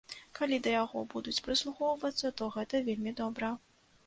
Калі да яго будуць прыслухоўвацца, то гэта вельмі добра.